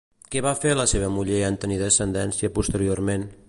Què va fer la seva muller en tenir descendència posteriorment?